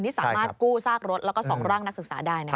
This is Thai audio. สามารถกู้ซากรถแล้วก็๒ร่างนักศึกษาได้นะคะ